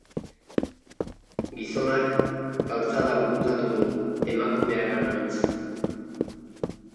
Gizonak galtzada gurutzatu du emakumeaganantz.